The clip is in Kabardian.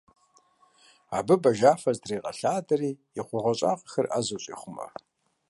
Абы бажафэ зытрегъэлъадэри и хъуагъэщагъэхэр ӏэзэу щӏехъумэ.